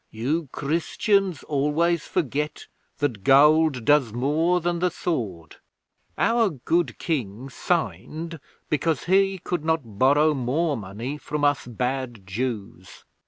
'You Christians always forget that gold does more than the sword. Our good King signed because he could not borrow more money from us bad Jews.'